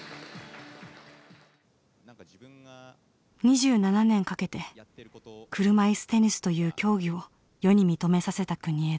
２７年かけて車いすテニスという競技を世に認めさせた国枝。